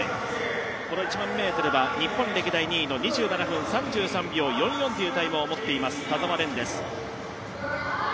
この１００００ｍは日本歴代２位の２７分３３秒４４というタイムを持っています、田澤廉です。